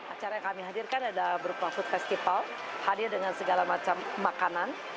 acara yang kami hadirkan ada berupa food festival hadir dengan segala macam makanan